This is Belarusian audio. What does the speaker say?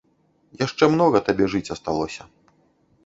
Яшчэ многа табе жыць асталося.